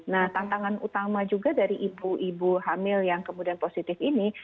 nah tantangan utama juga dari ibu ibu hamil yang kemudian positif ini